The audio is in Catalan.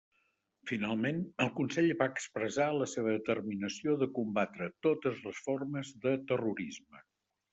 Finalment, el Consell va expressar la seva determinació de combatre totes les formes de terrorisme.